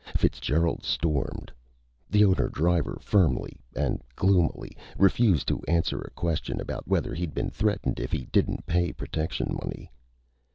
Fitzgerald stormed. The owner driver firmly and gloomily refused to answer a question about whether he'd been threatened if he didn't pay protection money.